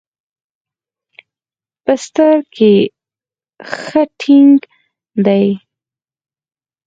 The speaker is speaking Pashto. په ستر کښې ښه ټينګ دي.